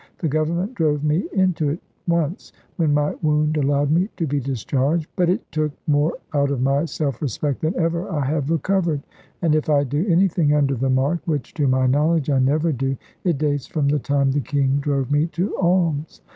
The Government drove me into it once, when my wound allowed me to be discharged; but it took more out of my self respect than ever I have recovered. And if I do anything under the mark (which, to my knowledge, I never do), it dates from the time the King drove me to alms.